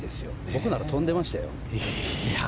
僕なら跳んでましたよ。